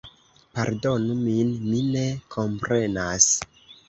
Pardonu min, mi ne komprenas